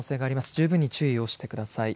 十分に注意をしてください。